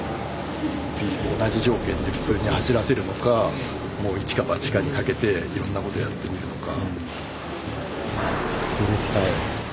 次同じ条件で普通に走らせるのかもう一か八かにかけていろんなことやってみるのか。